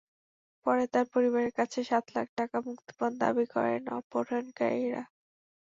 পরে তাঁর পরিবারের কাছে সাত লাখ টাকা মুক্তিপণ দাবি করেন অপহরণকারীরা।